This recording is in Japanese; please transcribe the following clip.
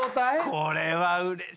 これはうれしい。